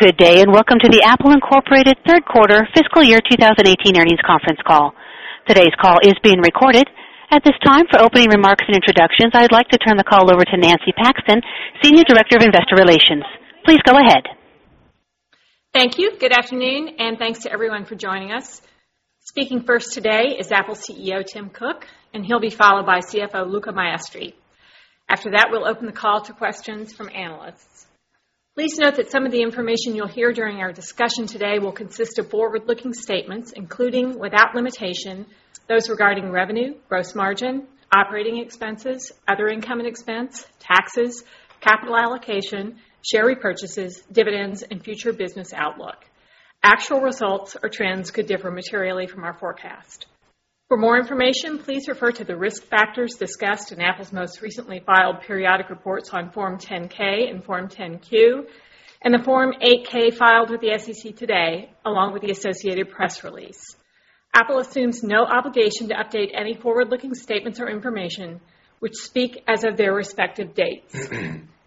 Good day, and welcome to the Apple Inc. third quarter fiscal year 2018 earnings conference call. Today's call is being recorded. At this time, for opening remarks and introductions, I'd like to turn the call over to Nancy Paxton, Senior Director of Investor Relations. Please go ahead. Thank you. Good afternoon, and thanks to everyone for joining us. Speaking first today is Apple CEO, Tim Cook. He'll be followed by CFO, Luca Maestri. After that, we'll open the call to questions from analysts. Please note that some of the information you'll hear during our discussion today will consist of forward-looking statements, including, without limitation, those regarding revenue, gross margin, operating expenses, other income and expense, taxes, capital allocation, share repurchases, dividends, and future business outlook. Actual results or trends could differ materially from our forecast. For more information, please refer to the risk factors discussed in Apple's most recently filed periodic reports on Form 10-K and Form 10-Q, and the Form 8-K filed with the SEC today, along with the associated press release. Apple assumes no obligation to update any forward-looking statements or information, which speak as of their respective dates.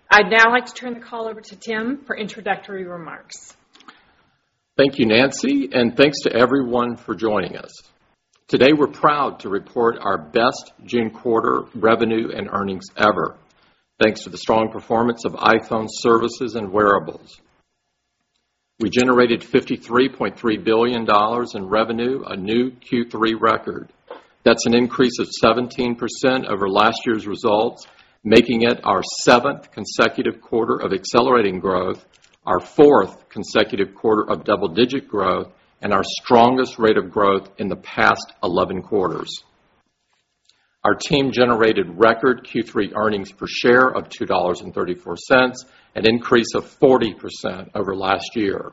I'd now like to turn the call over to Tim for introductory remarks. Thank you, Nancy. Thanks to everyone for joining us. Today, we're proud to report our best June quarter revenue and earnings ever, thanks to the strong performance of iPhone services and wearables. We generated $53.3 billion in revenue, a new Q3 record. That's an increase of 17% over last year's results, making it our seventh consecutive quarter of accelerating growth, our fourth consecutive quarter of double-digit growth, our strongest rate of growth in the past 11 quarters. Our team generated record Q3 earnings per share of $2.34, an increase of 40% over last year.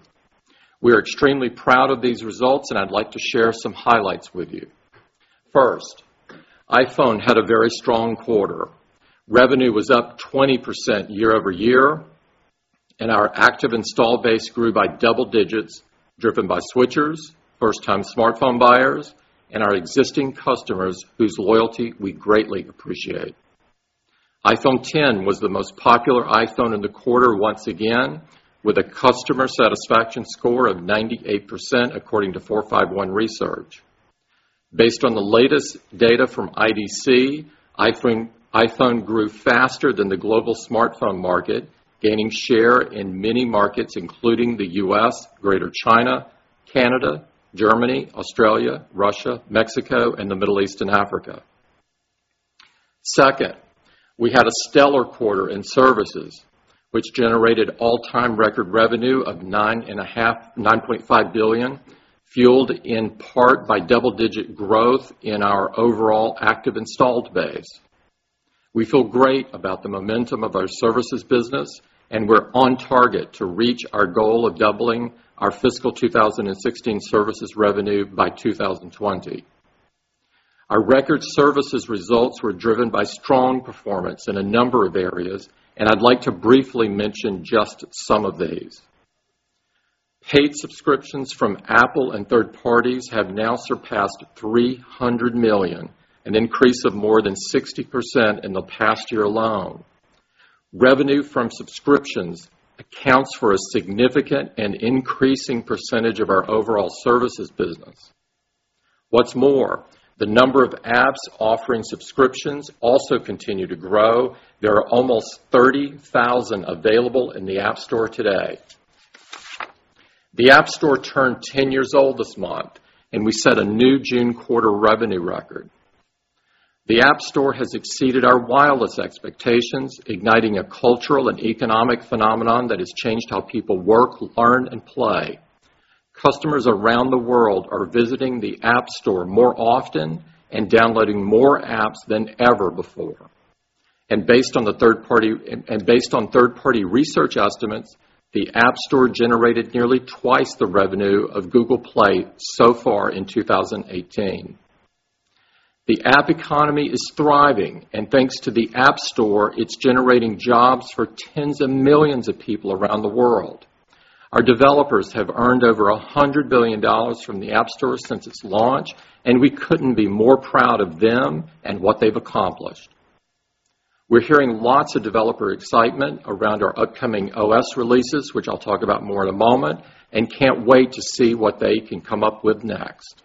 We are extremely proud of these results. I'd like to share some highlights with you. First, iPhone had a very strong quarter. Revenue was up 20% year-over-year. Our active install base grew by double digits, driven by switchers, first-time smartphone buyers, and our existing customers, whose loyalty we greatly appreciate. iPhone X was the most popular iPhone in the quarter once again, with a customer satisfaction score of 98%, according to 451 Research. Based on the latest data from IDC, iPhone grew faster than the global smartphone market, gaining share in many markets, including the U.S., Greater China, Canada, Germany, Australia, Russia, Mexico, and the Middle East and Africa. Second, we had a stellar quarter in services, which generated all-time record revenue of $9.5 billion, fueled in part by double-digit growth in our overall active installed base. We feel great about the momentum of our services business, we're on target to reach our goal of doubling our fiscal 2016 services revenue by 2020. Our record services results were driven by strong performance in a number of areas, I'd like to briefly mention just some of these. Paid subscriptions from Apple and third parties have now surpassed 300 million, an increase of more than 60% in the past year alone. Revenue from subscriptions accounts for a significant and increasing % of our overall services business. What's more, the number of apps offering subscriptions also continue to grow. There are almost 30,000 available in the App Store today. The App Store turned 10 years old this month, we set a new June quarter revenue record. The App Store has exceeded our wildest expectations, igniting a cultural and economic phenomenon that has changed how people work, learn, and play. Customers around the world are visiting the App Store more often and downloading more apps than ever before. Based on third-party research estimates, the App Store generated nearly twice the revenue of Google Play so far in 2018. The app economy is thriving, thanks to the App Store, it's generating jobs for tens of millions of people around the world. Our developers have earned over $100 billion from the App Store since its launch, we couldn't be more proud of them and what they've accomplished. We're hearing lots of developer excitement around our upcoming OS releases, which I'll talk about more in a moment, can't wait to see what they can come up with next.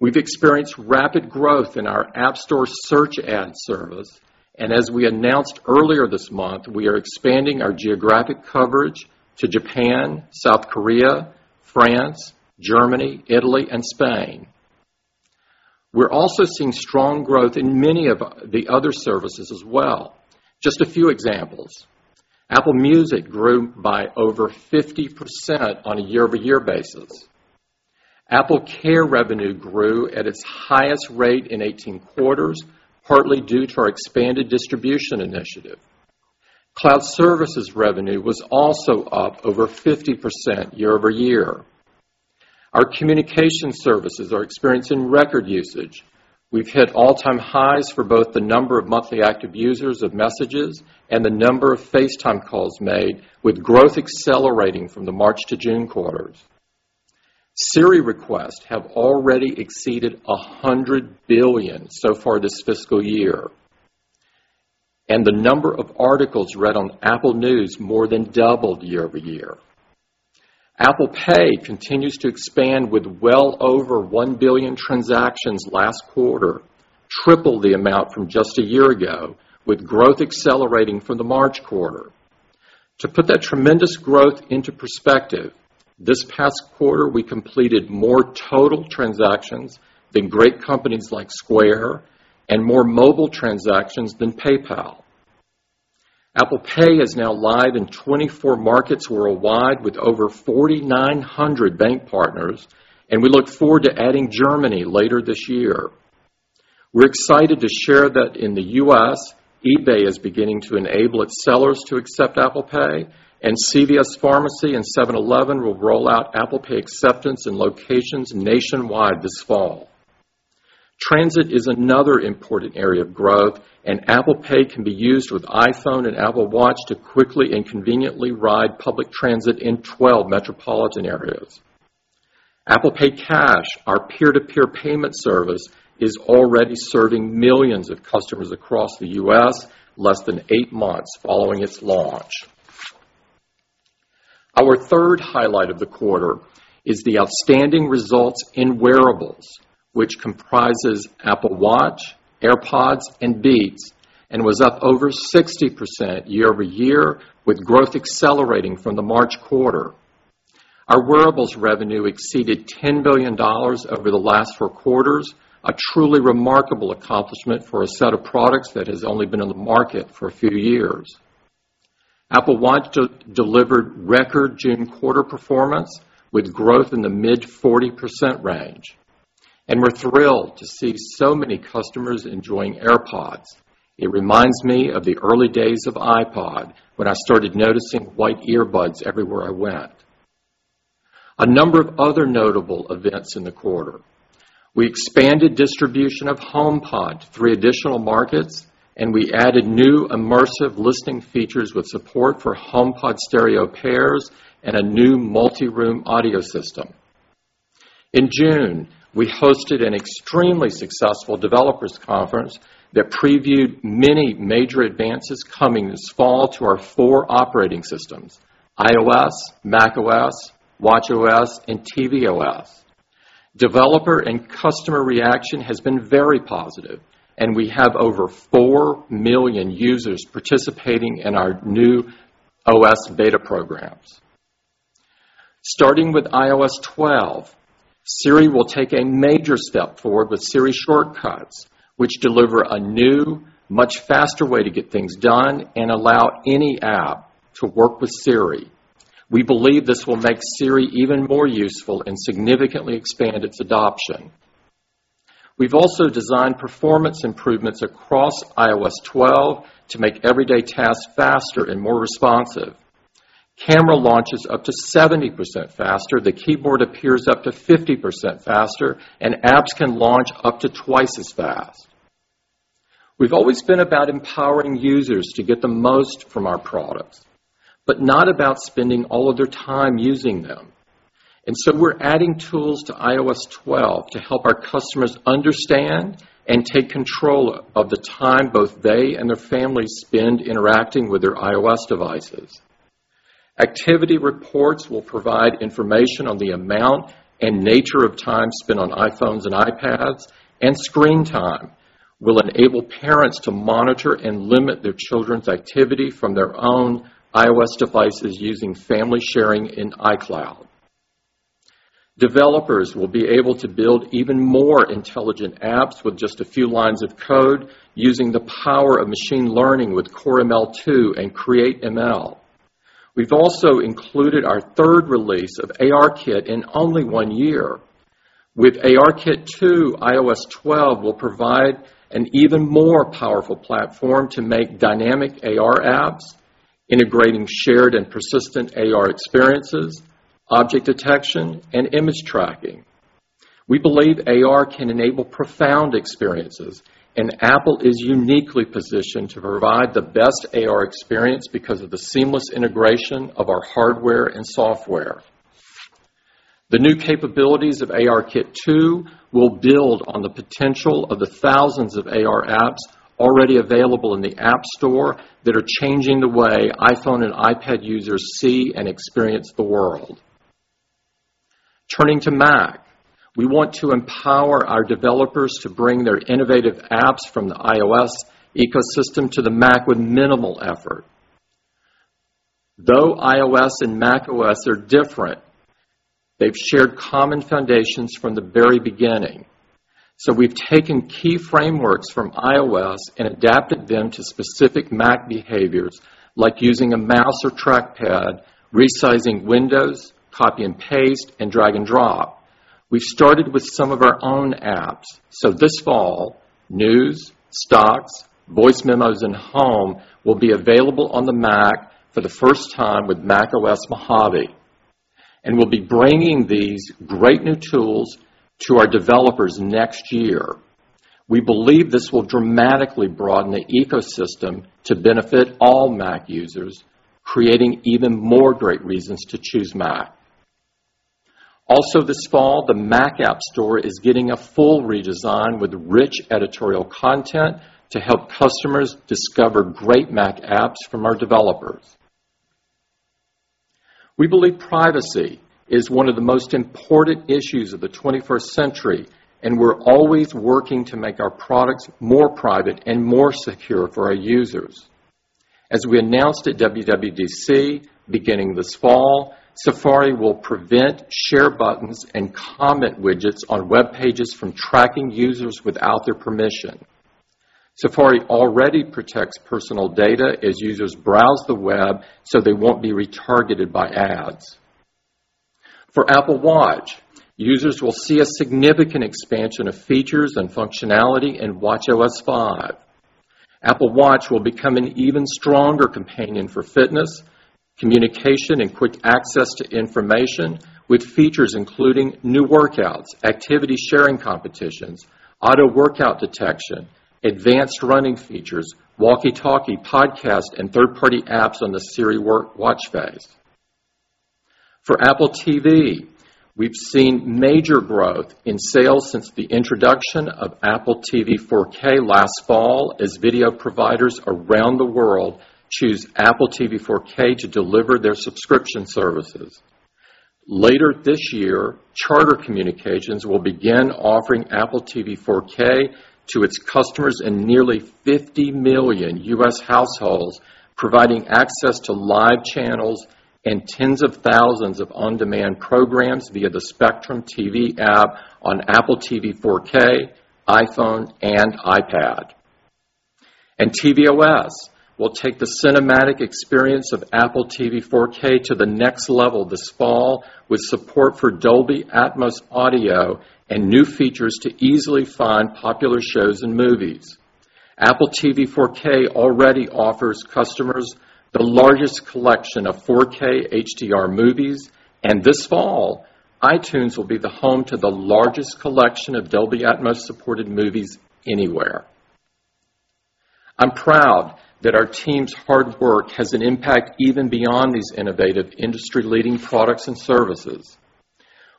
We've experienced rapid growth in our App Store search ad service, as we announced earlier this month, we are expanding our geographic coverage to Japan, South Korea, France, Germany, Italy, and Spain. We're also seeing strong growth in many of the other services as well. Just a few examples. Apple Music grew by over 50% on a year-over-year basis. AppleCare revenue grew at its highest rate in 18 quarters, partly due to our expanded distribution initiative. Cloud services revenue was also up over 50% year-over-year. Our communication services are experiencing record usage. We've hit all-time highs for both the number of monthly active users of Messages and the number of FaceTime calls made, with growth accelerating from the March to June quarters. Siri requests have already exceeded 100 billion so far this fiscal year. The number of articles read on Apple News more than doubled year-over-year. Apple Pay continues to expand with well over 1 billion transactions last quarter, triple the amount from just a year ago, with growth accelerating from the March quarter. To put that tremendous growth into perspective, this past quarter we completed more total transactions than great companies like Square and more mobile transactions than PayPal. Apple Pay is now live in 24 markets worldwide with over 4,900 bank partners. We look forward to adding Germany later this year. We're excited to share that in the U.S., eBay is beginning to enable its sellers to accept Apple Pay. CVS Pharmacy and 7-Eleven will roll out Apple Pay acceptance in locations nationwide this fall. Transit is another important area of growth. Apple Pay can be used with iPhone and Apple Watch to quickly and conveniently ride public transit in 12 metropolitan areas. Apple Pay Cash, our peer-to-peer payment service, is already serving millions of customers across the U.S. less than eight months following its launch. Our third highlight of the quarter is the outstanding results in wearables, which comprises Apple Watch, AirPods, and Beats, was up over 60% year-over-year, with growth accelerating from the March quarter. Our wearables revenue exceeded $10 billion over the last four quarters, a truly remarkable accomplishment for a set of products that has only been on the market for a few years. Apple Watch delivered record June quarter performance with growth in the mid 40% range. We're thrilled to see so many customers enjoying AirPods. It reminds me of the early days of iPod when I started noticing white earbuds everywhere I went. A number of other notable events in the quarter. We expanded distribution of HomePod, three additional markets. We added new immersive listening features with support for HomePod stereo pairs and a new multi-room audio system. In June, we hosted an extremely successful developers conference that previewed many major advances coming this fall to our four operating systems: iOS, macOS, watchOS, and tvOS. Developer and customer reaction has been very positive. We have over four million users participating in our new OS beta programs. Starting with iOS 12, Siri will take a major step forward with Siri Shortcuts, which deliver a new, much faster way to get things done and allow any app to work with Siri. We believe this will make Siri even more useful and significantly expand its adoption. We've also designed performance improvements across iOS 12 to make everyday tasks faster and more responsive. Camera launch is up to 70% faster, the keyboard appears up to 50% faster, and apps can launch up to twice as fast. We've always been about empowering users to get the most from our products, not about spending all of their time using them. We're adding tools to iOS 12 to help our customers understand and take control of the time both they and their families spend interacting with their iOS devices. Activity reports will provide information on the amount and nature of time spent on iPhones and iPads. Screen Time will enable parents to monitor and limit their children's activity from their own iOS devices using family sharing in iCloud. Developers will be able to build even more intelligent apps with just a few lines of code using the power of machine learning with Core ML 2 and Create ML. We've also included our third release of ARKit in only one year. With ARKit 2, iOS 12 will provide an even more powerful platform to make dynamic AR apps integrating shared and persistent AR experiences, object detection, and image tracking. We believe AR can enable profound experiences, Apple is uniquely positioned to provide the best AR experience because of the seamless integration of our hardware and software. The new capabilities of ARKit 2 will build on the potential of the thousands of AR apps already available in the App Store that are changing the way iPhone and iPad users see and experience the world. Turning to Mac. We want to empower our developers to bring their innovative apps from the iOS ecosystem to the Mac with minimal effort. Though iOS and macOS are different, they've shared common foundations from the very beginning. We've taken key frameworks from iOS and adapted them to specific Mac behaviors like using a mouse or trackpad, resizing windows, copy and paste, and drag and drop. We've started with some of our own apps, this fall, News, Stocks, Voice Memos, and Home will be available on the Mac for the first time with macOS Mojave, we'll be bringing these great new tools to our developers next year. We believe this will dramatically broaden the ecosystem to benefit all Mac users, creating even more great reasons to choose Mac. Also this fall, the Mac App Store is getting a full redesign with rich editorial content to help customers discover great Mac apps from our developers. We believe privacy is one of the most important issues of the 21st century, we're always working to make our products more private and more secure for our users. As we announced at WWDC, beginning this fall, Safari will prevent share buttons and comment widgets on web pages from tracking users without their permission. Safari already protects personal data as users browse the web so they won't be retargeted by ads. For Apple Watch, users will see a significant expansion of features and functionality in watchOS 5. Apple Watch will become an even stronger companion for fitness, communication, and quick access to information with features including new workouts, activity sharing competitions, auto workout detection, advanced running features, walkie-talkie, podcast, and third-party apps on the Siri Watch face. For Apple TV, we've seen major growth in sales since the introduction of Apple TV 4K last fall as video providers around the world choose Apple TV 4K to deliver their subscription services. Later this year, Charter Communications will begin offering Apple TV 4K to its customers in nearly 50 million U.S. households, providing access to live channels and tens of thousands of on-demand programs via the Spectrum TV app on Apple TV 4K, iPhone, and iPad. tvOS will take the cinematic experience of Apple TV 4K to the next level this fall with support for Dolby Atmos audio and new features to easily find popular shows and movies. Apple TV 4K already offers customers the largest collection of 4K HDR movies. This fall, iTunes will be the home to the largest collection of Dolby Atmos-supported movies anywhere. I'm proud that our team's hard work has an impact even beyond these innovative industry-leading products and services.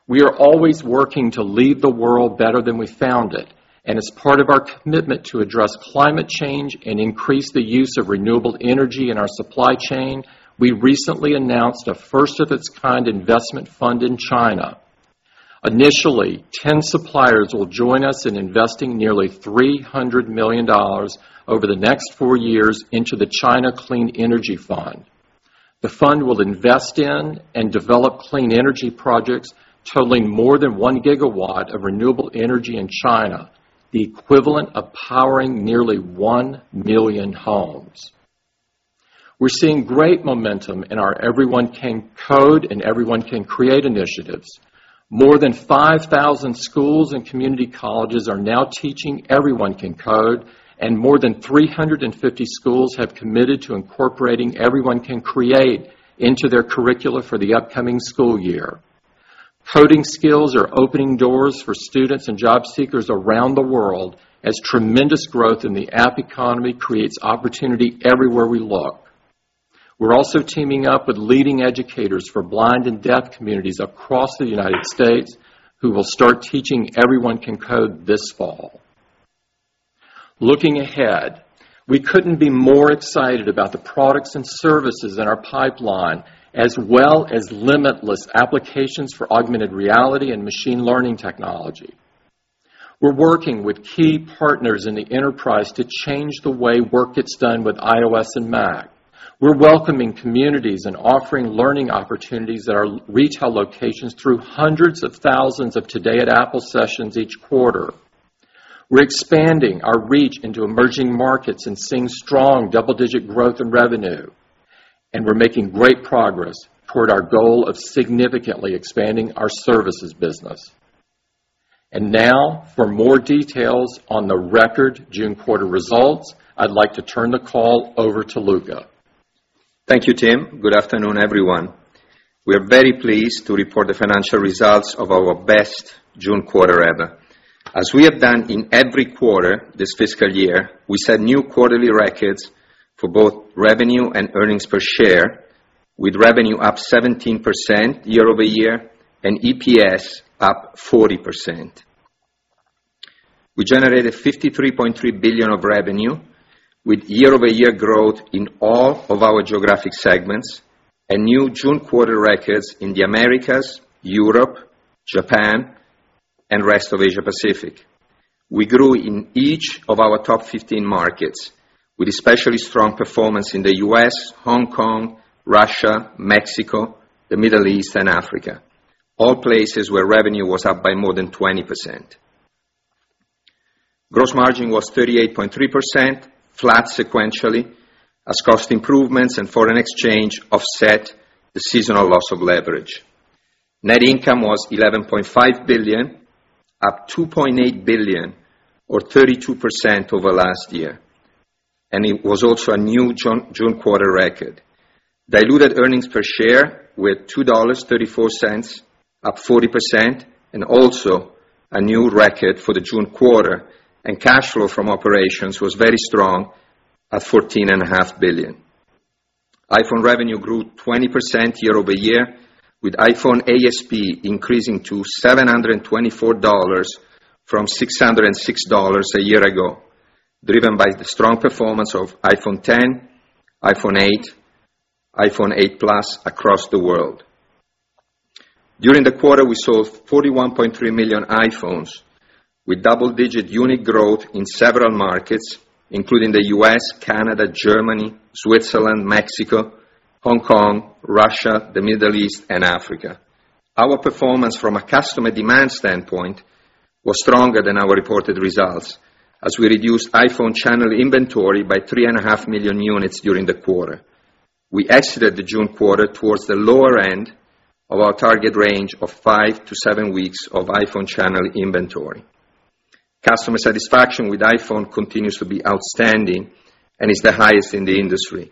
We are always working to leave the world better than we found it. As part of our commitment to address climate change and increase the use of renewable energy in our supply chain, we recently announced a first-of-its-kind investment fund in China. Initially, 10 suppliers will join us in investing nearly $300 million over the next four years into the China Clean Energy Fund. The fund will invest in and develop clean energy projects totaling more than one gigawatt of renewable energy in China, the equivalent of powering nearly 1 million homes. We're seeing great momentum in our Everyone Can Code and Everyone Can Create initiatives. More than 5,000 schools and community colleges are now teaching Everyone Can Code, and more than 350 schools have committed to incorporating Everyone Can Create into their curricula for the upcoming school year. Coding skills are opening doors for students and job seekers around the world as tremendous growth in the app economy creates opportunity everywhere we look. We're also teaming up with leading educators for blind and deaf communities across the U.S. who will start teaching Everyone Can Code this fall. Looking ahead, we couldn't be more excited about the products and services in our pipeline, as well as limitless applications for augmented reality and machine learning technology. We're working with key partners in the enterprise to change the way work gets done with iOS and Mac. We're welcoming communities and offering learning opportunities at our retail locations through hundreds of thousands of Today at Apple sessions each quarter. We're expanding our reach into emerging markets and seeing strong double-digit growth in revenue. We're making great progress toward our goal of significantly expanding our services business. Now for more details on the record June quarter results, I'd like to turn the call over to Luca. Thank you, Tim. Good afternoon, everyone. We are very pleased to report the financial results of our best June quarter ever. As we have done in every quarter this fiscal year, we set new quarterly records for both revenue and earnings per share, with revenue up 17% year-over-year and EPS up 40%. We generated $53.3 billion of revenue with year-over-year growth in all of our geographic segments and new June quarter records in the Americas, Europe, Japan, and rest of Asia-Pacific. We grew in each of our top 15 markets with especially strong performance in the U.S., Hong Kong, Russia, Mexico, the Middle East, and Africa, all places where revenue was up by more than 20%. Gross margin was 38.3%, flat sequentially as cost improvements and foreign exchange offset the seasonal loss of leverage. Net income was $11.5 billion, up $2.8 billion or 32% over last year, it was also a new June quarter record. Diluted earnings per share were $2.34, up 40% and also a new record for the June quarter. Cash flow from operations was very strong at $14.5 billion. iPhone revenue grew 20% year-over-year, with iPhone ASP increasing to $724 from $606 a year ago, driven by the strong performance of iPhone X, iPhone 8, iPhone 8 Plus across the world. During the quarter, we sold 41.3 million iPhones with double-digit unit growth in several markets, including the U.S., Canada, Germany, Switzerland, Mexico, Hong Kong, Russia, the Middle East, and Africa. Our performance from a customer demand standpoint was stronger than our reported results, as we reduced iPhone channel inventory by three and a half million units during the quarter. We exited the June quarter towards the lower end of our target range of 5 to 7 weeks of iPhone channel inventory. Customer satisfaction with iPhone continues to be outstanding and is the highest in the industry.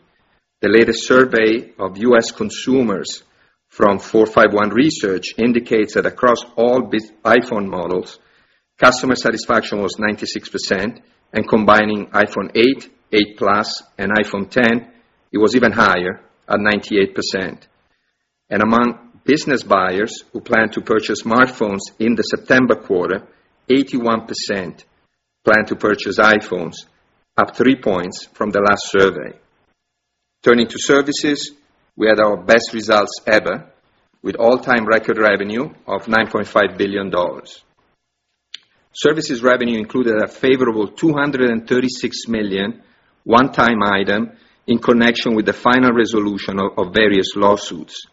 The latest survey of U.S. consumers from 451 Research indicates that across all iPhone models, customer satisfaction was 96%, and combining iPhone 8, iPhone 8 Plus, and iPhone X, it was even higher at 98%. Among business buyers who plan to purchase smartphones in the September quarter, 81% plan to purchase iPhones, up three points from the last survey. Turning to services, we had our best results ever with all-time record revenue of $9.5 billion. Services revenue included a favorable $236 million one-time item in connection with the final resolution of various lawsuits.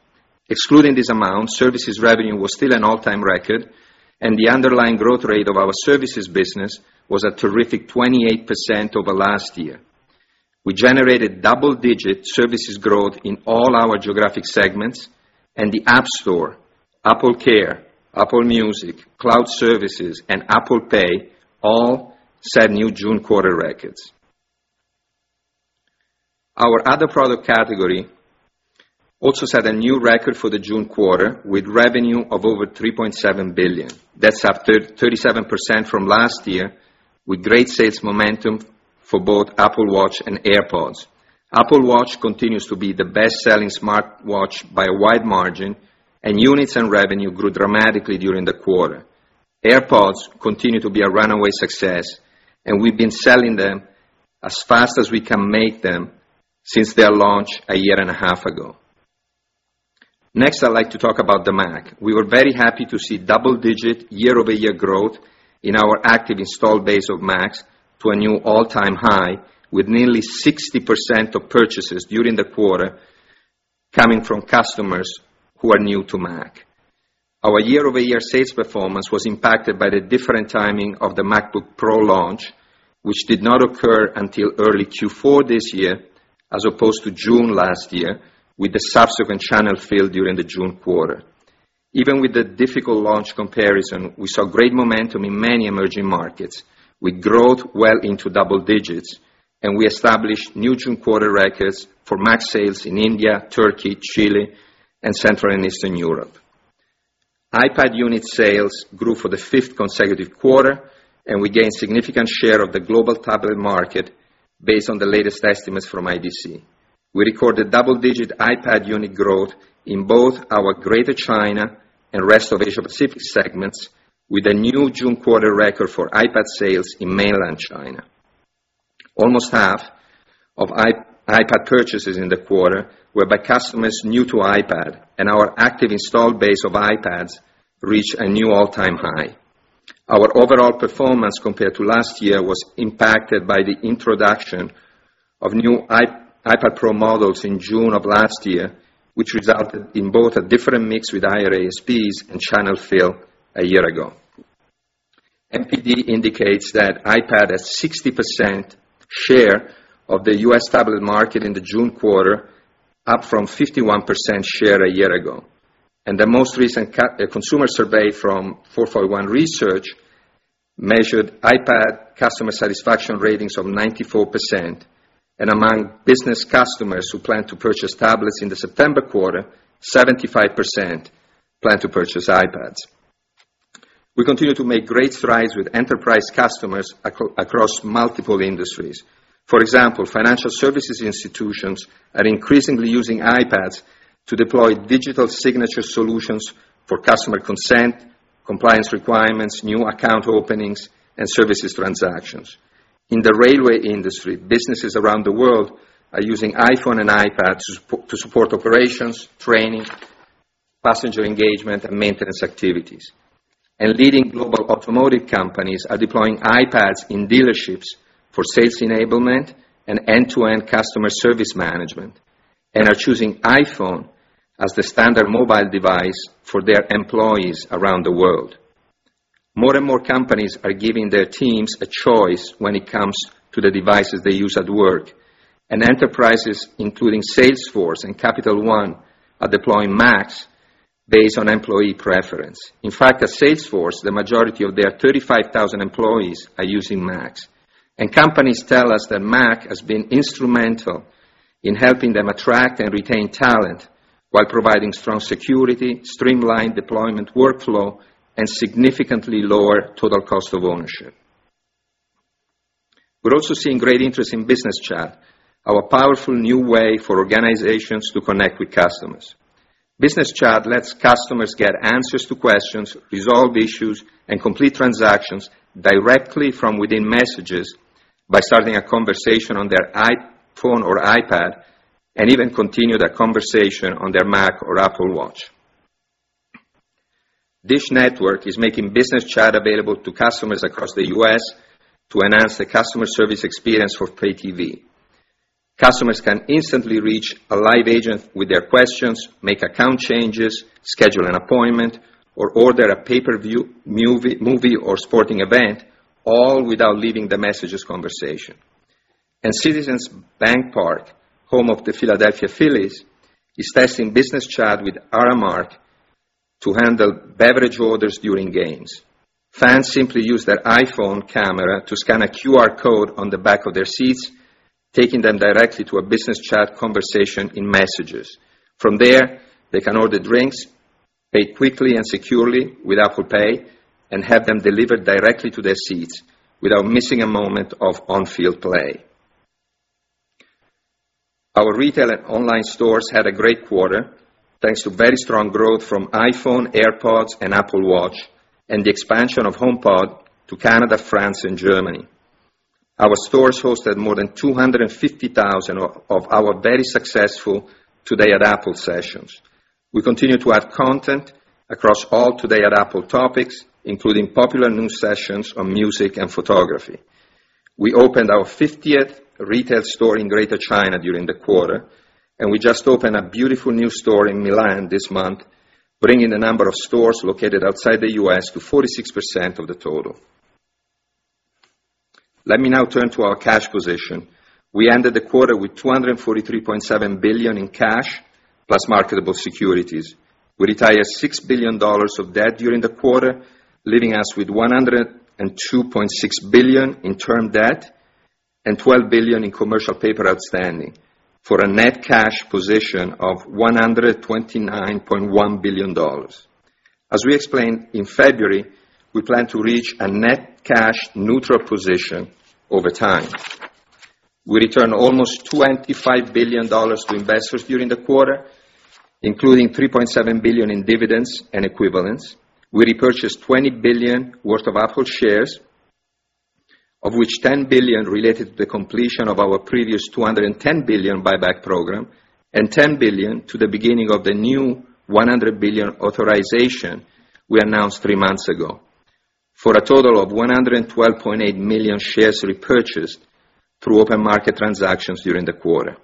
Excluding this amount, services revenue was still an all-time record, and the underlying growth rate of our services business was a terrific 28% over last year. We generated double-digit services growth in all our geographic segments and the App Store, AppleCare, Apple Music, cloud services, and Apple Pay all set new June quarter records. Our other product category also set a new record for the June quarter with revenue of over $3.7 billion. That's up 37% from last year with great sales momentum for both Apple Watch and AirPods. Apple Watch continues to be the best-selling smartwatch by a wide margin, and units and revenue grew dramatically during the quarter. AirPods continue to be a runaway success, and we've been selling them as fast as we can make them since their launch a year and a half ago. Next, I'd like to talk about the Mac. We were very happy to see double-digit year-over-year growth in our active install base of Macs to a new all-time high, with nearly 60% of purchases during the quarter coming from customers who are new to Mac. Our year-over-year sales performance was impacted by the different timing of the MacBook Pro launch, which did not occur until early Q4 this year as opposed to June last year, with the subsequent channel fill during the June quarter. Even with the difficult launch comparison, we saw great momentum in many emerging markets with growth well into double digits, and we established new June quarter records for Mac sales in India, Turkey, Chile, and Central and Eastern Europe. iPad unit sales grew for the fifth consecutive quarter, and we gained significant share of the global tablet market based on the latest estimates from IDC. We recorded double-digit iPad unit growth in both our Greater China and rest of Asia Pacific segments with a new June quarter record for iPad sales in mainland China. Almost half of iPad purchases in the quarter were by customers new to iPad, and our active installed base of iPads reached a new all-time high. Our overall performance compared to last year was impacted by the introduction of new iPad Pro models in June of last year, which resulted in both a different mix with higher ASPs and channel fill a year ago. NPD indicates that iPad has 60% share of the U.S. tablet market in the June quarter, up from 51% share a year ago. The most recent consumer survey from 451 Research measured iPad customer satisfaction ratings of 94%, and among business customers who plan to purchase tablets in the September quarter, 75% plan to purchase iPads. We continue to make great strides with enterprise customers across multiple industries. For example, financial services institutions are increasingly using iPads to deploy digital signature solutions for customer consent, compliance requirements, new account openings, and services transactions. In the railway industry, businesses around the world are using iPhone and iPad to support operations, training, passenger engagement, and maintenance activities. Leading global automotive companies are deploying iPads in dealerships for sales enablement and end-to-end customer service management and are choosing iPhone as the standard mobile device for their employees around the world. More and more companies are giving their teams a choice when it comes to the devices they use at work. Enterprises, including Salesforce and Capital One, are deploying Macs based on employee preference. In fact, at Salesforce, the majority of their 35,000 employees are using Macs. Companies tell us that Mac has been instrumental in helping them attract and retain talent while providing strong security, streamlined deployment workflow, and significantly lower total cost of ownership. We're also seeing great interest in Business Chat, our powerful new way for organizations to connect with customers. Business Chat lets customers get answers to questions, resolve issues, and complete transactions directly from within Messages by starting a conversation on their iPhone or iPad, and even continue that conversation on their Mac or Apple Watch. Dish Network is making Business Chat available to customers across the U.S. to enhance the customer service experience for pay TV. Customers can instantly reach a live agent with their questions, make account changes, schedule an appointment, or order a pay-per-view movie or sporting event, all without leaving the Messages conversation. Citizens Bank Park, home of the Philadelphia Phillies, is testing Business Chat with Aramark to handle beverage orders during games. Fans simply use their iPhone camera to scan a QR code on the back of their seats, taking them directly to a Business Chat conversation in Messages. From there, they can order drinks, pay quickly and securely with Apple Pay, and have them delivered directly to their seats without missing a moment of on-field play. Our retail and online stores had a great quarter thanks to very strong growth from iPhone, AirPods, and Apple Watch, and the expansion of HomePod to Canada, France, and Germany. Our stores hosted more than 250,000 of our very successful Today at Apple sessions. We continue to add content across all Today at Apple topics, including popular new sessions on music and photography. We opened our 50th retail store in Greater China during the quarter, and we just opened a beautiful new store in Milan this month, bringing the number of stores located outside the U.S. to 46% of the total. Let me now turn to our cash position. We ended the quarter with $243.7 billion in cash, plus marketable securities. We retired $6 billion of debt during the quarter, leaving us with $102.6 billion in term debt and $12 billion in commercial paper outstanding, for a net cash position of $129.1 billion. As we explained in February, we plan to reach a net cash neutral position over time. We returned almost $25 billion to investors during the quarter, including $3.7 billion in dividends and equivalents. We repurchased $20 billion worth of Apple shares, of which $10 billion related to the completion of our previous $210 billion buyback program, and $10 billion to the beginning of the new $100 billion authorization we announced three months ago, for a total of 112.8 million shares repurchased through open market transactions during the quarter.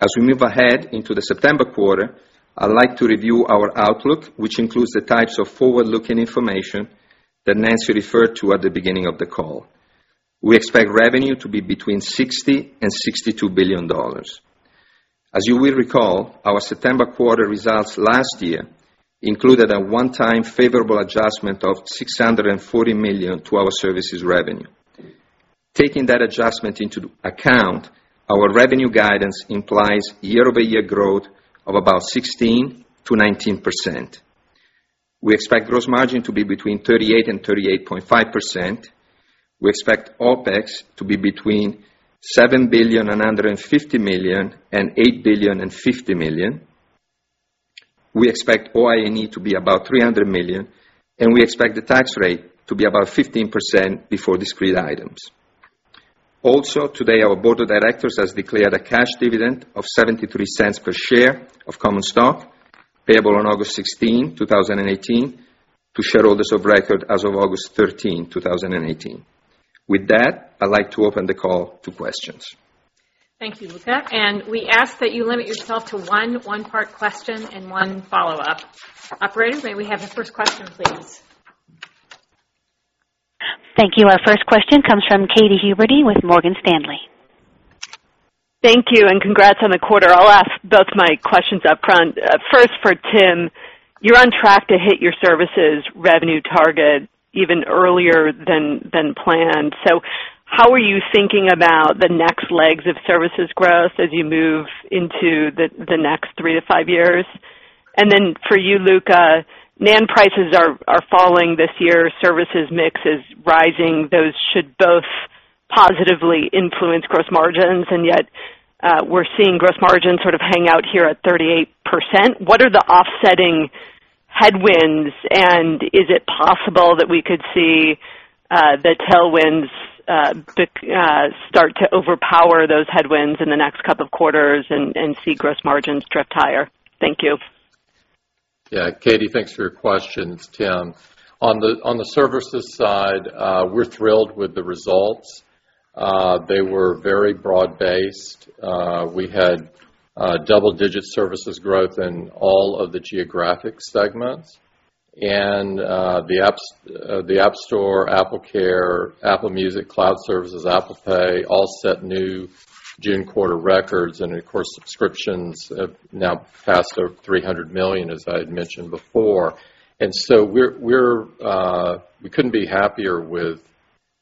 As we move ahead into the September quarter, I'd like to review our outlook, which includes the types of forward-looking information that Nancy referred to at the beginning of the call. We expect revenue to be between $60 billion and $62 billion. As you will recall, our September quarter results last year included a one-time favorable adjustment of $640 million to our services revenue. Taking that adjustment into account, our revenue guidance implies year-over-year growth of about 16%-19%. We expect gross margin to be between 38% and 38.5%. We expect OPEX to be between $7,950,000,000 and $8,050,000,000. We expect OIE to be about $300 million, and we expect the tax rate to be about 15% before discrete items. Also, today, our board of directors has declared a cash dividend of $0.73 per share of common stock payable on August 16, 2018, to shareholders of record as of August 13, 2018. With that, I'd like to open the call to questions. Thank you, Luca, and we ask that you limit yourself to one one-part question and one follow-up. Operator, may we have the first question, please? Thank you. Our first question comes from Katy Huberty with Morgan Stanley. Thank you, and congrats on the quarter. I'll ask both my questions up front. First, for Tim, you're on track to hit your services revenue target even earlier than planned. How are you thinking about the next legs of services growth as you move into the next three to five years? For you, Luca, NAND prices are falling this year. Services mix is rising. Those should both positively influence gross margins, and yet, we're seeing gross margins sort of hang out here at 38%. What are the offsetting headwinds, and is it possible that we could see the tailwinds start to overpower those headwinds in the next couple of quarters and see gross margins drift higher? Thank you. Yeah, Katy, thanks for your questions. Tim. On the services side, we're thrilled with the results. They were very broad-based. We had double-digit services growth in all of the geographic segments and the App Store, AppleCare, Apple Music, cloud services, Apple Pay, all set new June quarter records. Subscriptions have now passed over 300 million, as I had mentioned before. We couldn't be happier with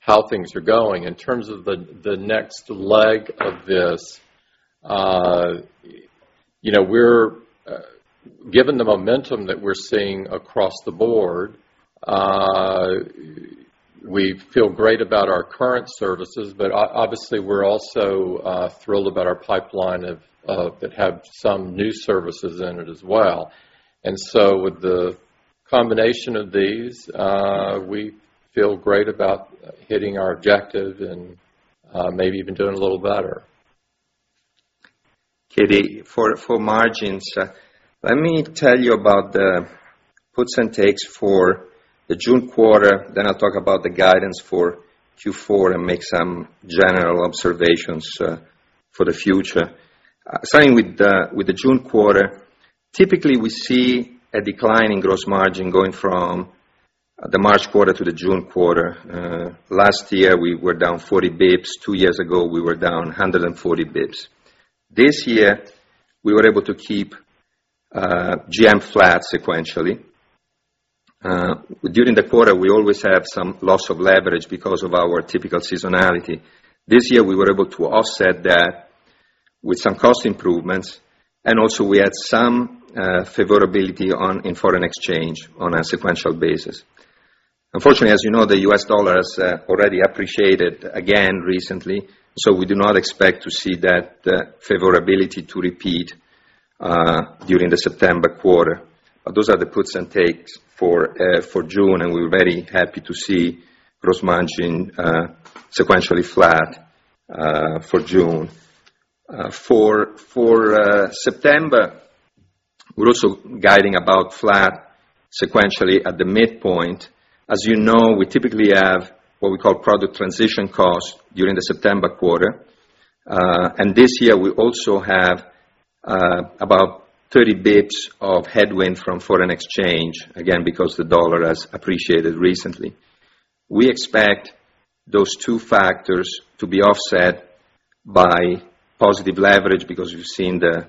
how things are going. In terms of the next leg of this, Given the momentum that we're seeing across the board, we feel great about our current services, but obviously we're also thrilled about our pipeline that have some new services in it as well. With the combination of these, we feel great about hitting our objective and maybe even doing a little better. Katy, for margins, let me tell you about the puts and takes for the June quarter, then I'll talk about the guidance for Q4 and make some general observations for the future. Starting with the June quarter, typically we see a decline in gross margin going from the March quarter to the June quarter. Last year, we were down 40 basis points. Two years ago, we were down 140 basis points. This year, we were able to keep GM flat sequentially. During the quarter, we always have some loss of leverage because of our typical seasonality. This year, we were able to offset that with some cost improvements, we had some favorability in foreign exchange on a sequential basis. Unfortunately, as you know, the U.S. dollar has already appreciated again recently, we do not expect to see that favorability to repeat during the September quarter. Those are the puts and takes for June, and we're very happy to see gross margin sequentially flat for June. For September, we're also guiding about flat sequentially at the midpoint. As you know, we typically have what we call product transition costs during the September quarter. This year, we also have about 30 basis points of headwind from foreign exchange, again, because the dollar has appreciated recently. We expect those two factors to be offset by positive leverage because you've seen the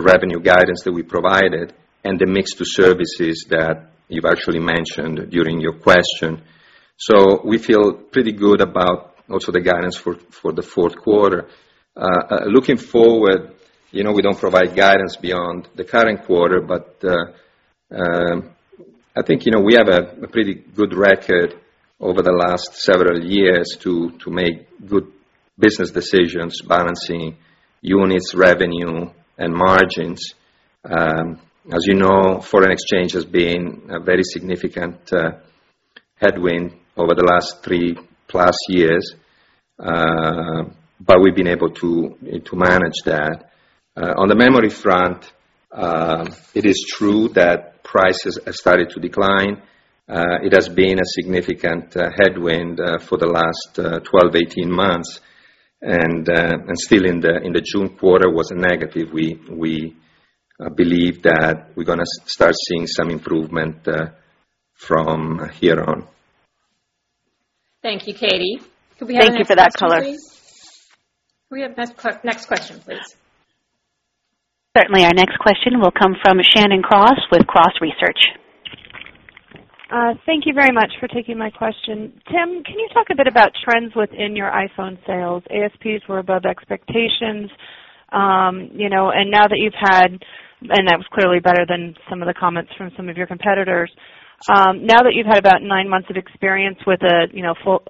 revenue guidance that we provided and the mix to services that you've actually mentioned during your question. We feel pretty good about also the guidance for the fourth quarter. Looking forward, we don't provide guidance beyond the current quarter, but I think we have a pretty good record over the last several years to make good business decisions balancing units, revenue, and margins. As you know, foreign exchange has been a very significant headwind over the last three-plus years, but we've been able to manage that. On the memory front, it is true that prices have started to decline. It has been a significant headwind for the last 12, 18 months, and still in the June quarter was a negative. We believe that we're going to start seeing some improvement from here on. Thank you, Katy. Thank you for that color. Could we have the next question, please? Certainly. Our next question will come from Shannon Cross with Cross Research. Thank you very much for taking my question. Tim, can you talk a bit about trends within your iPhone sales? ASPs were above expectations, and that was clearly better than some of the comments from some of your competitors. Now that you've had about nine months of experience with a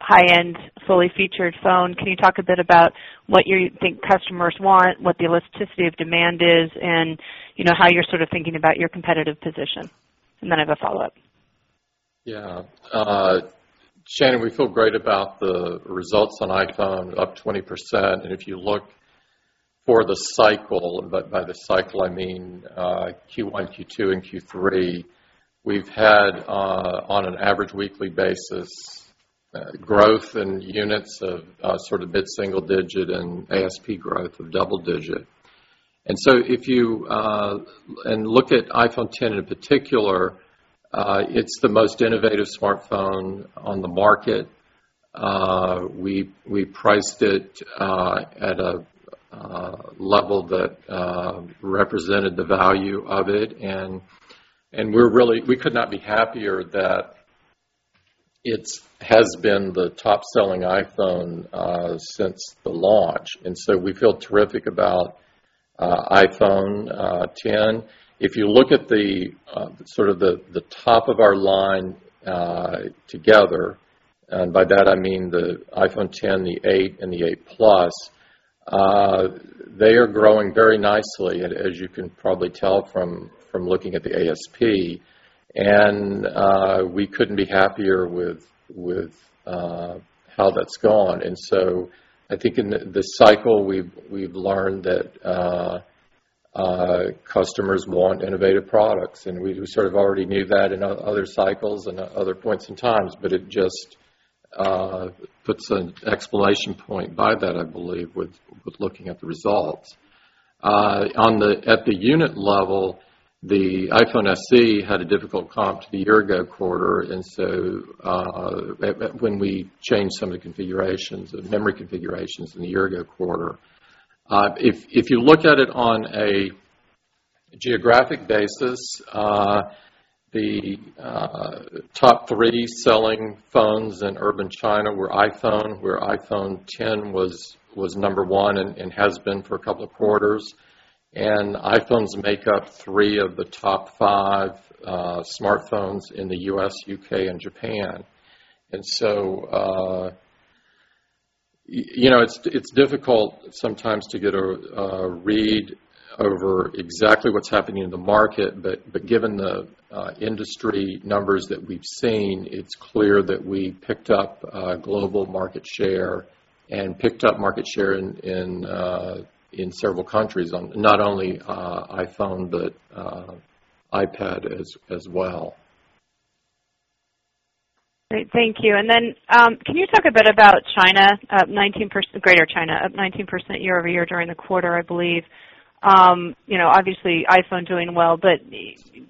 high-end, fully featured phone, can you talk a bit about what you think customers want, what the elasticity of demand is, and how you're sort of thinking about your competitive position? Then I have a follow-up. Yeah. Shannon, we feel great about the results on iPhone, up 20%. If you look for the cycle, by the cycle I mean Q1, Q2, and Q3, we've had, on an average weekly basis, growth in units of sort of mid-single digit and ASP growth of double digit. Look at iPhone X in particular, it's the most innovative smartphone on the market. We priced it at a level that represented the value of it, and we could not be happier that it has been the top-selling iPhone since the launch. So we feel terrific about iPhone X. If you look at the top of our line together, and by that I mean the iPhone X, the 8, and the 8 Plus, they are growing very nicely, as you can probably tell from looking at the ASP. We couldn't be happier with how that's gone. I think in this cycle, we've learned that customers want innovative products, and we sort of already knew that in other cycles and other points in times, but it just puts an exclamation point by that, I believe, with looking at the results. At the unit level, the iPhone SE had a difficult comp the year-ago quarter, and so when we changed some of the memory configurations in the year-ago quarter. If you looked at it on a geographic basis, the top three selling phones in urban China were iPhone, where iPhone X was number 1 and has been for a couple of quarters. iPhones make up three of the top five smartphones in the U.S., U.K., and Japan. It's difficult sometimes to get a read over exactly what's happening in the market, but given the industry numbers that we've seen, it's clear that we picked up global market share and picked up market share in several countries on not only iPhone, but iPad as well. Great. Thank you. Can you talk a bit about China? Greater China, up 19% year-over-year during the quarter, I believe. Obviously, iPhone doing well, but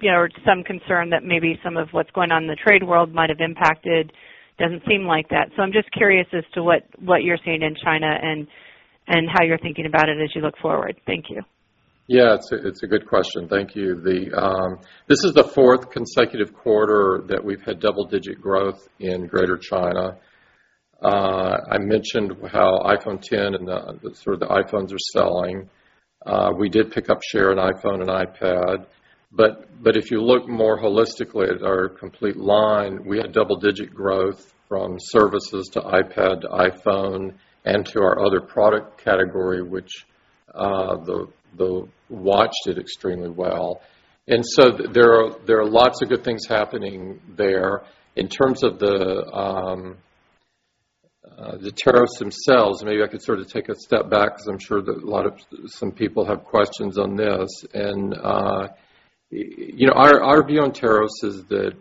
there was some concern that maybe some of what's going on in the trade world might have impacted. Doesn't seem like that. I'm just curious as to what you're seeing in China and how you're thinking about it as you look forward. Thank you. It's a good question. Thank you. This is the fourth consecutive quarter that we've had double-digit growth in Greater China. I mentioned how iPhone X and the sort of the iPhones are selling. We did pick up share in iPhone and iPad, but if you look more holistically at our complete line, we had double-digit growth from services to iPad to iPhone and to our other product category, which, the Watch did extremely well. There are lots of good things happening there. In terms of the tariffs themselves, maybe I could sort of take a step back because I'm sure that some people have questions on this. Our view on tariffs is that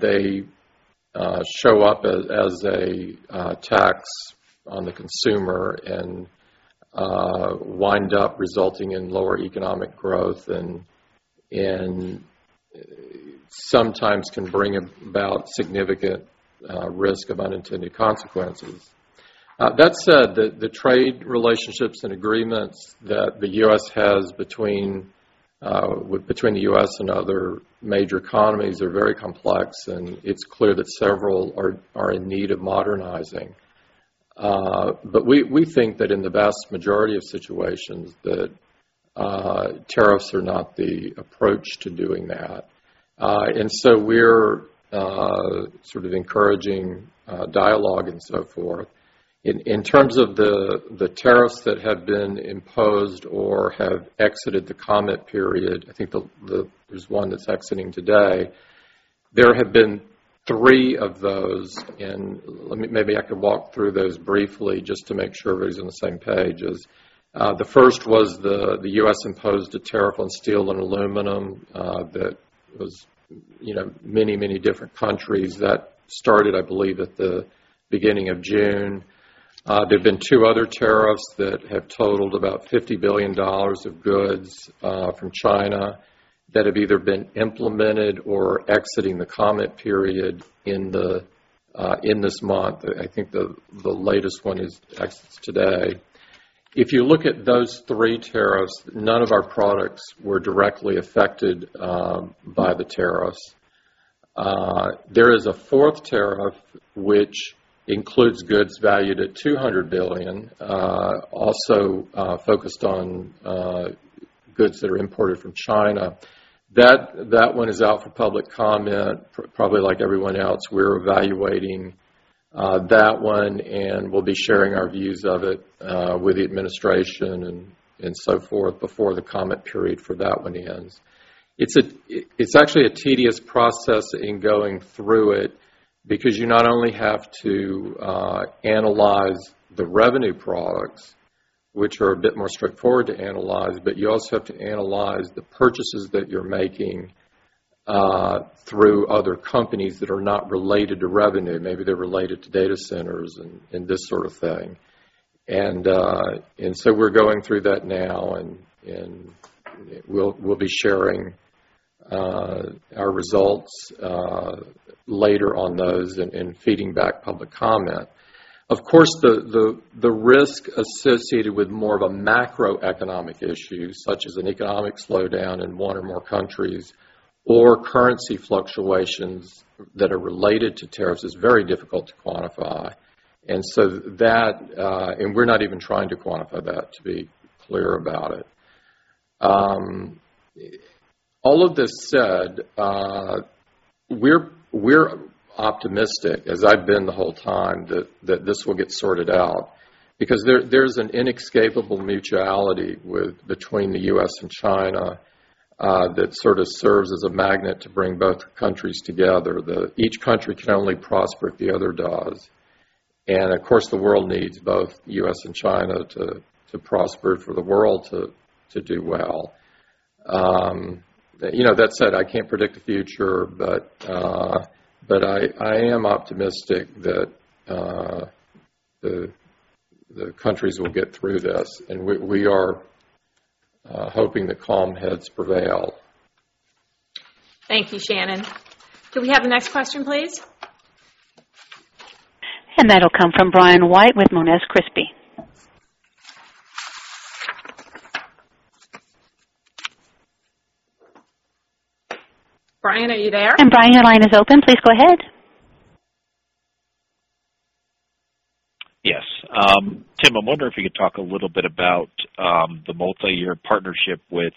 they show up as a tax on the consumer and wind up resulting in lower economic growth and sometimes can bring about significant risk of unintended consequences. That said, the trade relationships and agreements that the U.S. has between the U.S. and other major economies are very complex, and it's clear that several are in need of modernizing. We think that in the vast majority of situations that tariffs are not the approach to doing that. We're sort of encouraging dialogue and so forth. In terms of the tariffs that have been imposed or have exited the comment period, I think there's one that's exiting today. There have been three of those, and maybe I could walk through those briefly just to make sure everybody's on the same page as the first was the U.S. imposed a tariff on steel and aluminum that was many different countries. That started, I believe, at the beginning of June. There've been two other tariffs that have totaled about $50 billion of goods from China that have either been implemented or exiting the comment period in this month. I think the latest one exits today. If you look at those three tariffs, none of our products were directly affected by the tariffs. There is a fourth tariff, which includes goods valued at $200 billion, also focused on goods that are imported from China. That one is out for public comment. Probably like everyone else, we're evaluating that one, and we'll be sharing our views of it with the administration and so forth before the comment period for that one ends. It's actually a tedious process in going through it because you not only have to analyze the revenue products, which are a bit more straightforward to analyze, but you also have to analyze the purchases that you're making through other companies that are not related to revenue. Maybe they're related to data centers and this sort of thing. We're going through that now, and we'll be sharing our results later on those and feeding back public comment. Of course, the risk associated with more of a macroeconomic issue, such as an economic slowdown in one or more countries, or currency fluctuations that are related to tariffs is very difficult to quantify. We're not even trying to quantify that, to be clear about it. All of this said, we're optimistic, as I've been the whole time, that this will get sorted out because there's an inescapable mutuality between the U.S. and China that sort of serves as a magnet to bring both countries together. That each country can only prosper if the other does. Of course, the world needs both U.S. and China to prosper for the world to do well. That said, I can't predict the future, but I am optimistic that the countries will get through this, and we are hoping that calm heads prevail. Thank you, Shannon. Do we have the next question, please? That'll come from Brian White with Monness, Crespi. Brian, are you there? Brian, your line is open. Please go ahead. Yes. Tim, I'm wondering if you could talk a little bit about the multi-year partnership with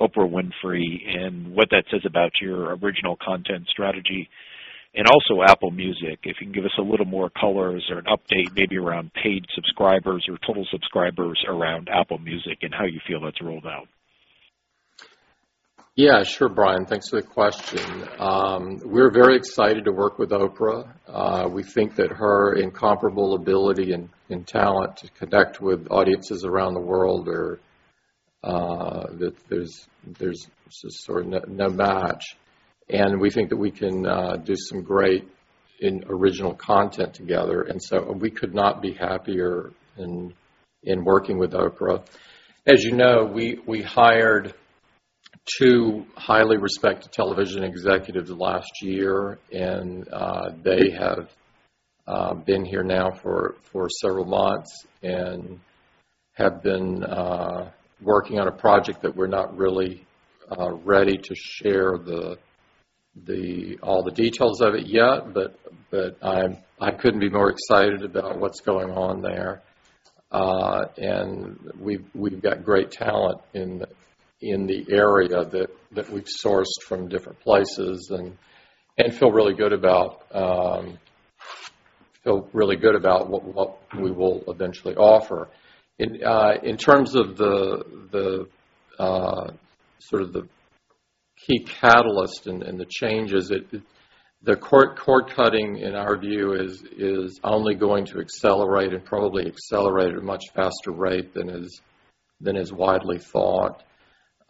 Oprah Winfrey and what that says about your original content strategy and also Apple Music. If you can give us a little more color or an update maybe around paid subscribers or total subscribers around Apple Music and how you feel that's rolled out. Yeah, sure, Brian. Thanks for the question. We're very excited to work with Oprah. We think that her incomparable ability and talent to connect with audiences around the world, there's just sort of no match. We think that we can do some great original content together. We could not be happier in working with Oprah. As you know, we hired two highly respected television executives last year, they have been here now for several months and have been working on a project that we're not really ready to share all the details of it yet. I couldn't be more excited about what's going on there. We've got great talent in the area that we've sourced from different places and feel really good about what we will eventually offer. In terms of the sort of the key catalyst and the changes, the cord-cutting, in our view, is only going to accelerate and probably accelerate at a much faster rate than is widely thought.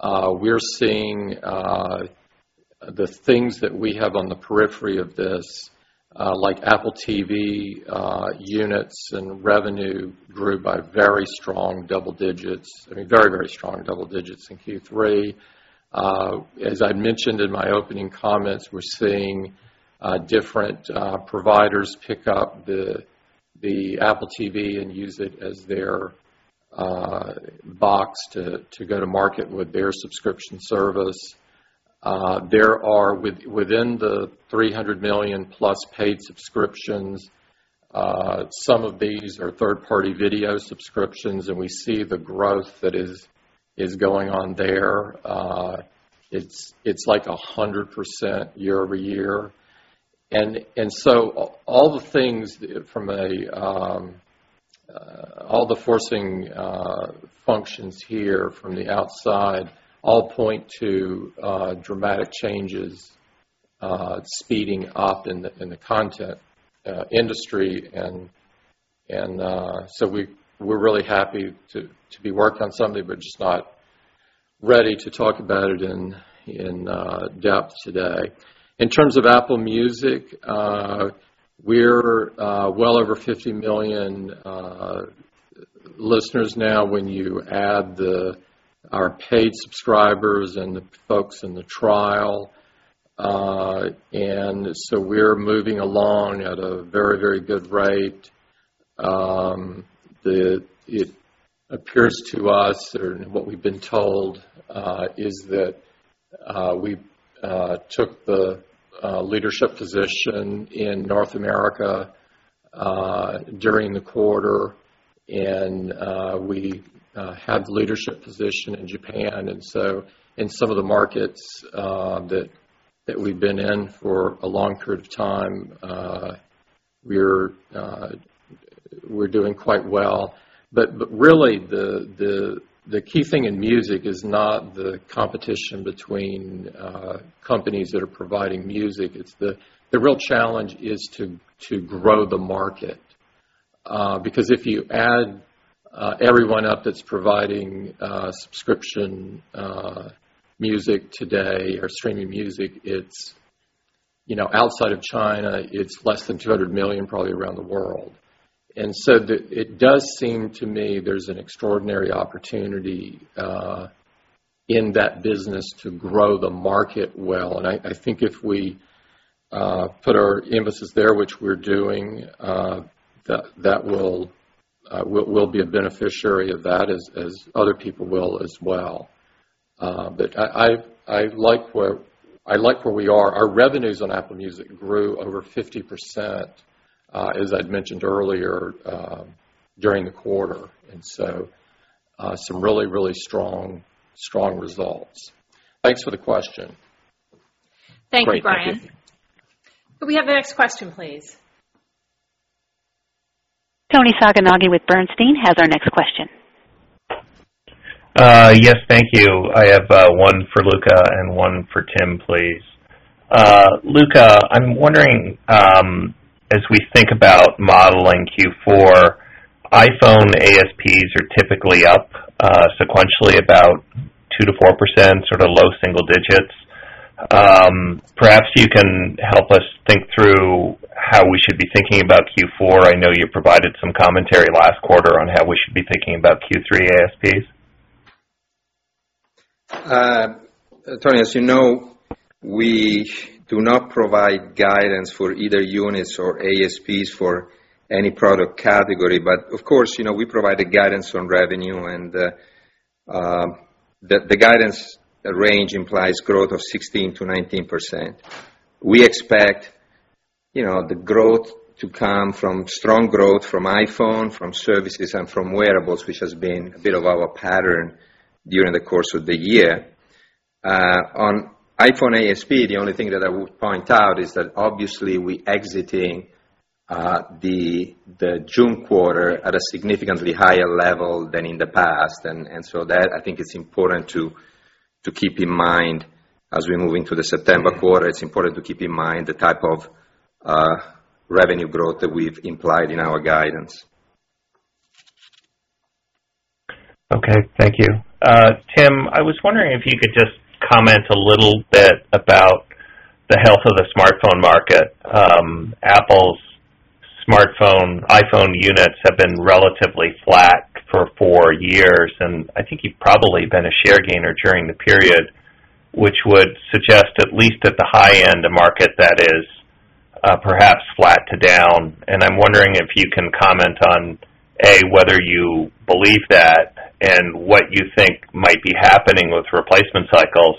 We're seeing the things that we have on the periphery of this, like Apple TV units and revenue grew by very strong double digits, I mean, very, very strong double digits in Q3. As I mentioned in my opening comments, we're seeing different providers pick up the Apple TV and use it as their box to go to market with their subscription service. There are within the $300 million-plus paid subscriptions, some of these are third-party video subscriptions, and we see the growth that is going on there. It's like 100% year-over-year. All the things from all the forcing functions here from the outside all point to dramatic changes speeding up in the content industry. We're really happy to be working on something but just not ready to talk about it in depth today. In terms of Apple Music, we're well over $50 million listeners now when you add our paid subscribers and the folks in the trial. We're moving along at a very, very good rate. It appears to us, or what we've been told, is that we took the leadership position in North America during the quarter, and we have the leadership position in Japan. In some of the markets that we've been in for a long period of time, we're doing quite well. Really, the key thing in music is not the competition between companies that are providing music. The real challenge is to grow the market because if you add everyone up that's providing subscription music today or streaming music, outside of China, it's less than 200 million probably around the world. It does seem to me there's an extraordinary opportunity in that business to grow the market well. I think if we put our emphasis there, which we're doing, we'll be a beneficiary of that as other people will as well. I like where we are. Our revenues on Apple Music grew over 50%, as I'd mentioned earlier, during the quarter. Some really, really strong results. Thanks for the question. Thank you, Brian. Great. Thank you. Could we have the next question, please? Toni Sacconaghi with Bernstein has our next question. Yes. Thank you. I have one for Luca and one for Tim, please. Luca, I'm wondering as we think about modeling Q4, iPhone ASPs are typically up sequentially about 2%-4%, sort of low single digits. Perhaps you can help us think through how we should be thinking about Q4. I know you provided some commentary last quarter on how we should be thinking about Q3 ASPs. Toni, as you know, we do not provide guidance for either units or ASPs for any product category. Of course, we provide a guidance on revenue and the guidance range implies growth of 16%-19%. We expect the growth to come from strong growth from iPhone, from services, and from wearables, which has been a bit of our pattern during the course of the year. On iPhone ASP, the only thing that I would point out is that obviously we exiting the June quarter at a significantly higher level than in the past. That I think is important to keep in mind as we move into the September quarter. It's important to keep in mind the type of revenue growth that we've implied in our guidance. Okay, thank you. Tim, I was wondering if you could just comment a little bit about the health of the smartphone market. Apple's smartphone iPhone units have been relatively flat for four years. I think you've probably been a share gainer during the period, which would suggest, at least at the high end, a market that is perhaps flat to down. I'm wondering if you can comment on, A, whether you believe that and what you think might be happening with replacement cycles,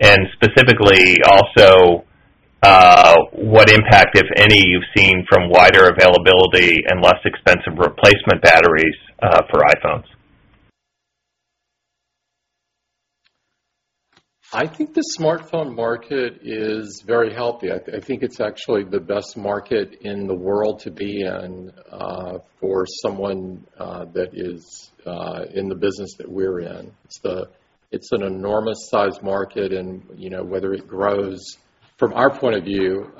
and specifically also what impact, if any, you've seen from wider availability and less expensive replacement batteries for iPhones. I think the smartphone market is very healthy. I think it's actually the best market in the world to be in for someone that is in the business that we're in. It's an enormous size market whether it grows from our point of view,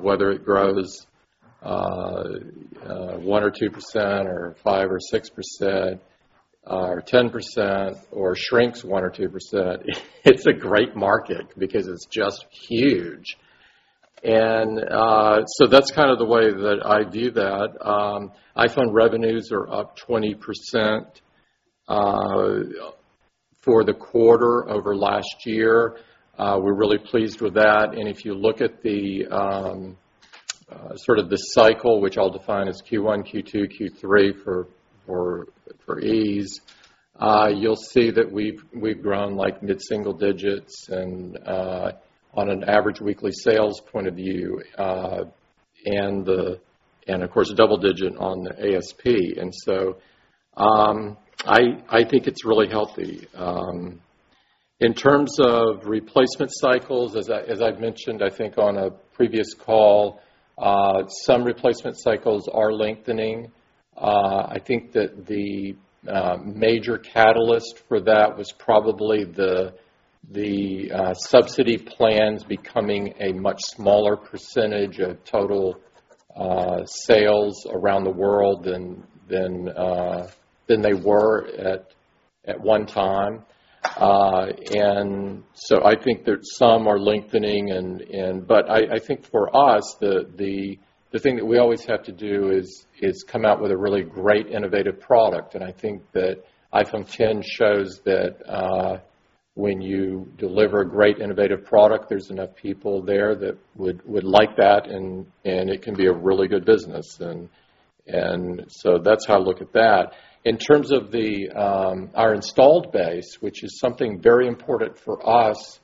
whether it grows one or two% or five or six% or 10%, or shrinks one or two%, it's a great market because it's just huge. That's kind of the way that I view that. iPhone revenues are up 20% for the quarter over last year. We're really pleased with that. If you look at the sort of the cycle, which I'll define as Q1, Q2, Q3 for ease, you'll see that we've grown like mid-single digits and on an average weekly sales point of view, and of course, double digit on the ASP. I think it's really healthy. In terms of replacement cycles, as I've mentioned, I think on a previous call, some replacement cycles are lengthening. I think that the major catalyst for that was probably the subsidy plans becoming a much smaller percentage of total sales around the world than they were at one time. I think that some are lengthening, but I think for us, the thing that we always have to do is come out with a really great, innovative product. I think that iPhone X shows that when you deliver a great innovative product, there's enough people there that would like that and it can be a really good business. That's how I look at that. In terms of our installed base, which is something very important for us,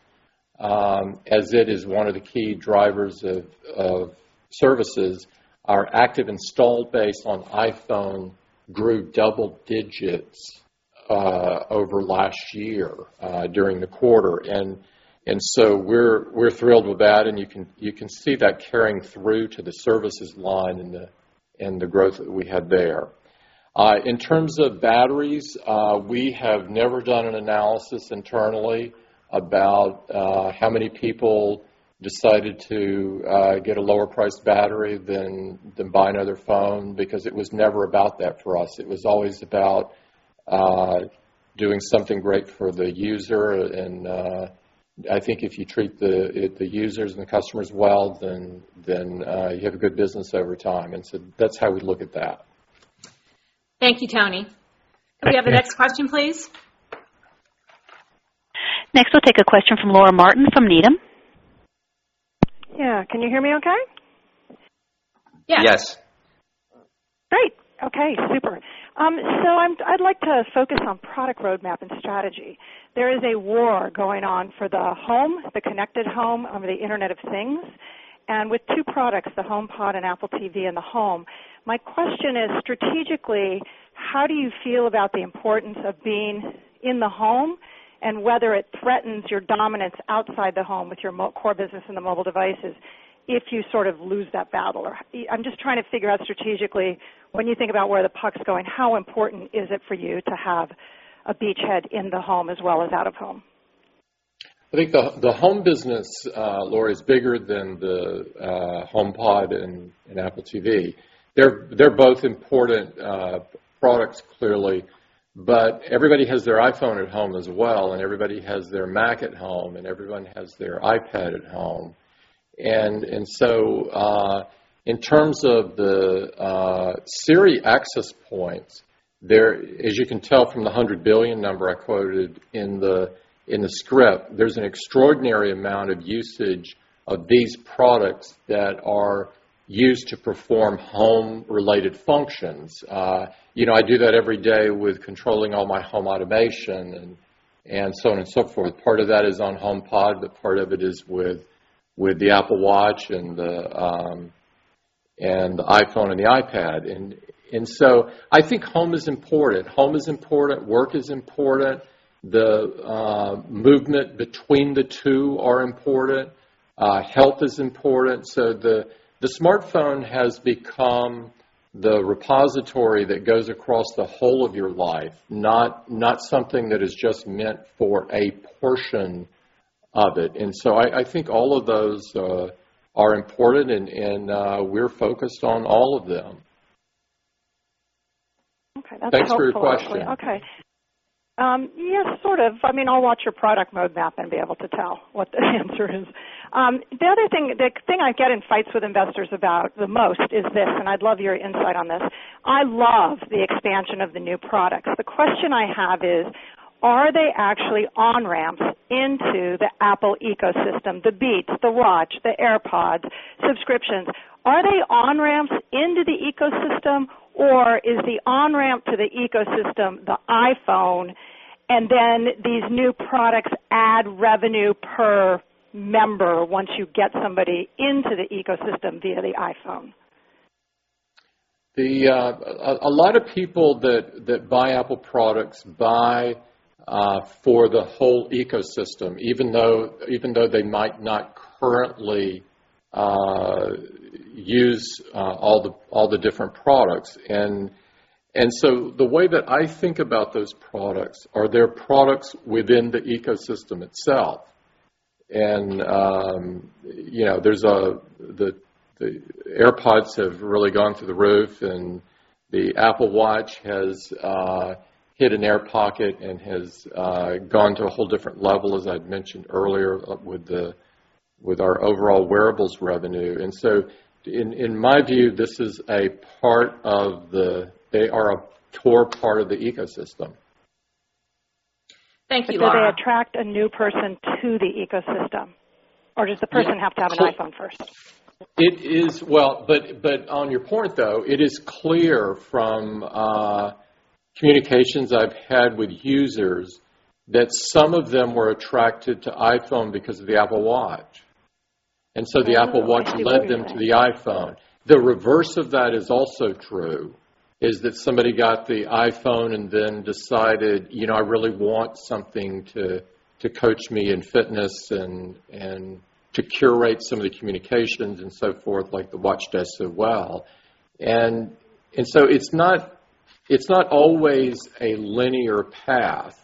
as it is one of the key drivers of services, our active installed base on iPhone grew double digits over last year during the quarter. We're thrilled with that, and you can see that carrying through to the services line and the growth that we had there. In terms of batteries, we have never done an analysis internally about how many people decided to get a lower priced battery than buy another phone because it was never about that for us. It was always about doing something great for the user, and I think if you treat the users and the customers well, then you have a good business over time. That's how we look at that. Thank you, Toni. Thank you. Can we have the next question, please? Next, we'll take a question from Laura Martin from Needham. Yeah. Can you hear me okay? Yes. Yes. Great. Okay, super. I'd like to focus on product roadmap and strategy. There is a war going on for the home, the connected home on the Internet of Things, and with two products, the HomePod and Apple TV in the home. My question is, strategically, how do you feel about the importance of being in the home and whether it threatens your dominance outside the home with your core business in the mobile devices if you sort of lose that battle? Or I'm just trying to figure out strategically, when you think about where the puck's going, how important is it for you to have a beachhead in the home as well as out of home? I think the home business, Laura, is bigger than the HomePod and Apple TV. They're both important products clearly, but everybody has their iPhone at home as well, and everybody has their Mac at home, and everyone has their iPad at home. In terms of the Siri access points, as you can tell from the 100 billion number I quoted in the script, there's an extraordinary amount of usage of these products that are used to perform home-related functions. I do that every day with controlling all my home automation and so on and so forth. Part of that is on HomePod, but part of it is with the Apple Watch and the iPhone and the iPad. I think home is important. Home is important, work is important, the movement between the two are important, health is important. The smartphone has become the repository that goes across the whole of your life, not something that is just meant for a portion of it. I think all of those are important and we're focused on all of them. Okay. That's helpful actually. Thanks for your question. Okay. Yeah, sort of. I'll watch your product roadmap and be able to tell what the answer is. The other thing, the thing I get in fights with investors about the most is this, and I'd love your insight on this. I love the expansion of the new products. The question I have is, are they actually on-ramps into the Apple Ecosystem, the Beats, the Apple Watch, the AirPods, subscriptions? Are they on-ramps into the Ecosystem, or is the on-ramp to the Ecosystem, the iPhone, and then these new products add revenue per member once you get somebody into the Ecosystem via the iPhone? A lot of people that buy Apple products buy for the whole Ecosystem, even though they might not currently use all the different products. The way that I think about those products, are there products within the Ecosystem itself? The AirPods have really gone through the roof, and the Apple Watch has hit an air pocket and has gone to a whole different level, as I'd mentioned earlier, with our overall wearables revenue. In my view, they are a core part of the Ecosystem. Thank you, Laura. Do they attract a new person to the ecosystem, or does the person have to have an iPhone first? Well, on your point though, it is clear from communications I've had with users that some of them were attracted to iPhone because of the Apple Watch. The Apple Watch led them to the iPhone. The reverse of that is also true, is that somebody got the iPhone and then decided, "I really want something to coach me in fitness and to curate some of the communications," and so forth, like the Watch does so well. It's not always a linear path.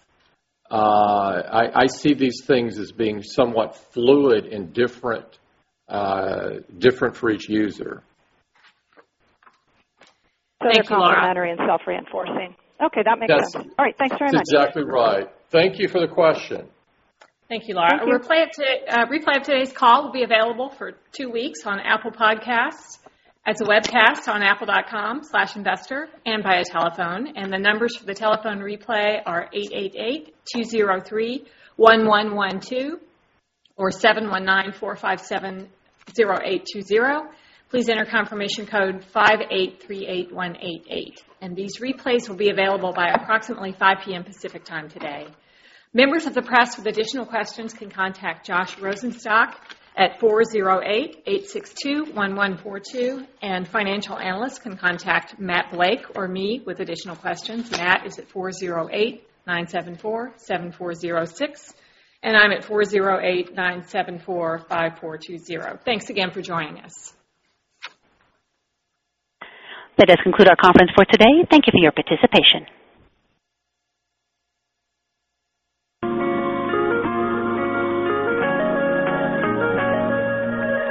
I see these things as being somewhat fluid and different for each user. They're complimentary and self-reinforcing. Okay, that makes sense. That's- All right. Thanks very much exactly right. Thank you for the question. Thank you, Laura. Thank you. A replay of today's call will be available for two weeks on Apple Podcasts, as a webcast on apple.com/investor, and via telephone. The numbers for the telephone replay are 888-203-1112 or 719-457-0820. Please enter confirmation code 5838188. These replays will be available by approximately 5:00 P.M. Pacific Time today. Members of the press with additional questions can contact Josh Rosenstock at 408-862-1142, and financial analysts can contact Matt Blake or me with additional questions. Matt is at 408-974-7406, and I'm at 408-974-5420. Thanks again for joining us. That does conclude our conference for today. Thank you for your participation.